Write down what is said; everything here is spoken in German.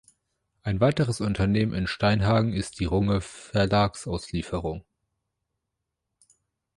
Ein weiteres Unternehmen in Steinhagen ist die Runge Verlagsauslieferung.